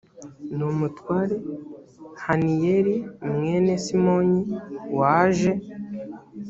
ni umutware haniyeli mwene simony waje